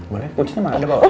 boleh kuncinya mah ada bawah